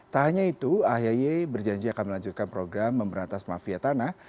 tak hanya itu ahy berjanji akan melanjutkan program memberantas mafia tanah